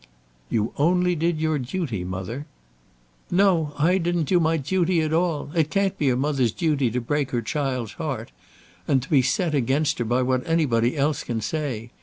"You only did your duty, mother." "No; I didn't do my duty at all. It can't be a mother's duty to break her child's heart and to be set against her by what anybody else can say.